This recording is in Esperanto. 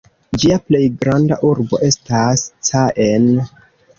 Ĝia plej granda urbo estas Caen.